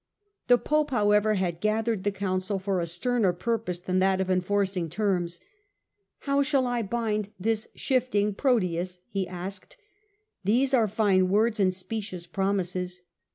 The Pope, however, had gathered the Council for a sterner purpose than that of enforcing terms. " How shall I bind this shifting Proteus ?" he asked. " These are fine words and specious promises.